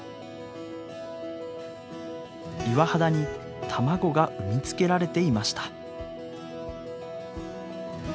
岩肌に卵が産みつけられていました。